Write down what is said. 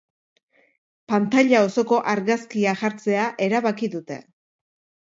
Pantaila osoko argazkia jartzea erabaki dute.